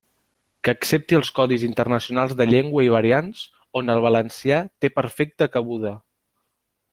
Que accepti els codis internacionals de llengua i variants, on el valencià té perfecta cabuda.